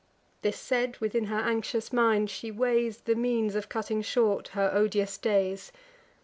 This said, within her anxious mind she weighs The means of cutting short her odious days.